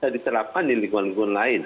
diterapkan di lingkungan lingkungan lain